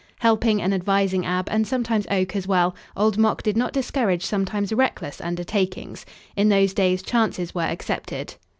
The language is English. Helping and advising Ab, and sometimes Oak as well, Old Mok did not discourage sometimes reckless undertakings. In those days chances were accepted.